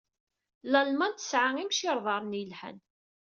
Lalman tesɛa imcirḍaren yelhan.